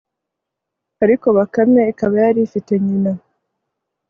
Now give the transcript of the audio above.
ariko bakame ikaba yari ifite nyina